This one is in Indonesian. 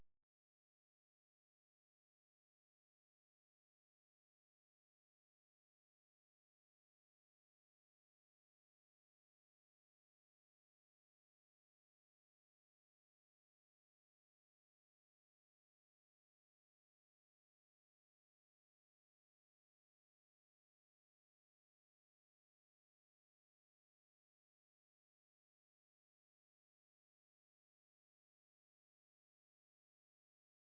kau monteng diri roku